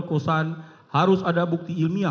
kita harus membuatnya